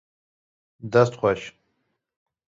Dest xweş